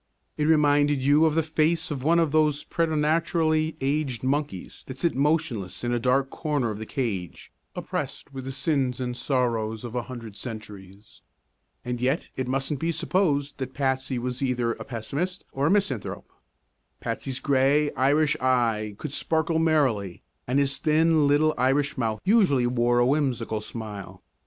It reminded you of the face of one of those preternaturally aged monkeys that sit motionless in a dark corner of the cage, oppressed with the sins and sorrows of a hundred centuries. And yet it mustn't be supposed that Patsy was either a pessimist or a misanthrope. Patsy's gray Irish eye could sparkle merrily and his thin little Irish mouth usually wore a whimsical smile.